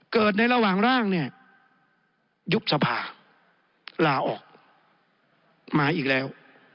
เกิดในระหว่างร่างเนี่ยยุบสภาลาออกมาอีกแล้ว